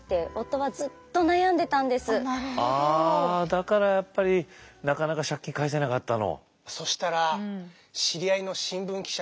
だからやっぱりなかなか借金返せなかったの？